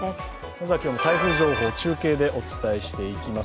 まずは今日の台風情報中継でお伝えしていきます。